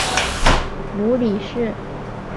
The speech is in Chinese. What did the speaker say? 母李氏。